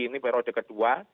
ini perode kedua